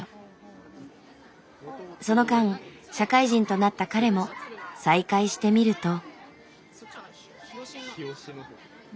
その間社会人となった彼も再会してみると。